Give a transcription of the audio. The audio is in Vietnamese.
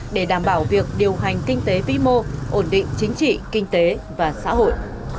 để đảm bảo việc điều hành kinh tế vĩ mô ổn định chính trị kinh tế và xã hội